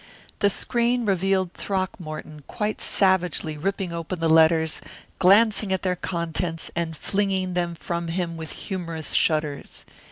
The screen revealed Throckmorton quite savagely ripping open the letters, glancing at their contents and flinging them from him with humorous shudders.